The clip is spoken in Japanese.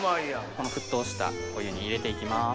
この沸騰したお湯に入れていきます。